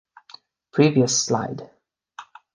Previous Slide